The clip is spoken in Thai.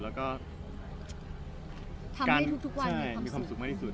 ทำให้ทุกวันมีความสุข